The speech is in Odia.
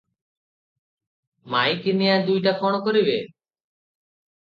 ମାଇକିନିଆ ଦୁଇଟା କ’ଣ କରିବେ?